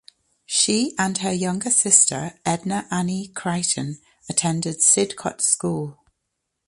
She and her younger sister Edna Annie Crichton attended Sidcot School.